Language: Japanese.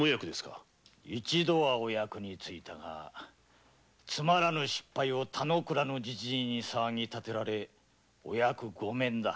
一度はお役に就いたがつまらぬ失敗を田之倉のじじいに騒ぎ立てられ御役御免だ。